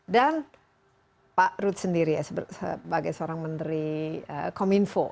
dan pak rud sendiri sebagai seorang menteri kominfo